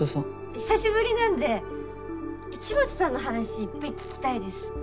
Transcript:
久しぶりなんで市松さんの話いっぱい聞きたいです。